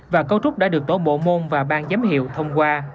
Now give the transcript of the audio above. và câu trúc đã được tổ bộ môn và bang giám hiệu thông qua